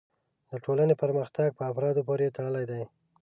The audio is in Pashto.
د ټولنې پرمختګ په افرادو پورې تړلی دی.